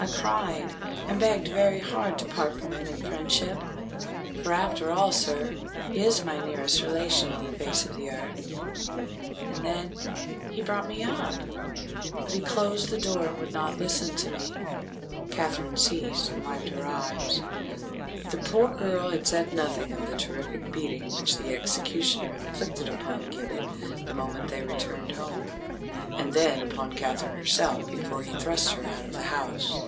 I cried, and begged very hard to part from him in friendship—for, after all, sir, he is my nearest relation on the face of the earth—and, then, he brought me up! But he closed the door, and would not listen to me." Katherine ceased, and wiped her eyes. The poor girl had said nothing of the terrific beating which the executioner inflicted upon Gibbet the moment they returned home, and then upon Katherine herself before he thrust her out of the house.